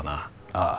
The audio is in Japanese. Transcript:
ああ。